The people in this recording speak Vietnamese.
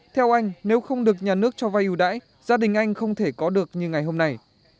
theo anh nếu không được nhà nước cho vay ưu đãi gia đình anh không thể có được như ngày hôm nay